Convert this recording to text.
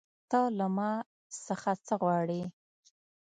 ته له ما څخه څه غواړې